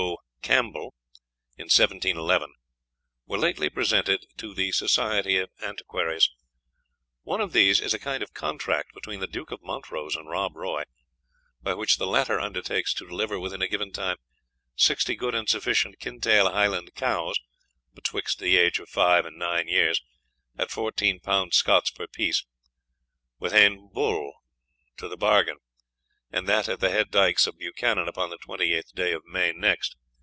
Campbell," in 1711, were lately presented to the Society of Antiquaries. One of these is a kind of contract between the Duke of Montrose and Rob Roy, by which the latter undertakes to deliver within a given time "Sixtie good and sufficient Kintaill highland Cowes, betwixt the age of five and nine years, at fourtene pounds Scotts per peice, with ane bull to the bargane, and that at the head dykes of Buchanan upon the twenty eight day of May next."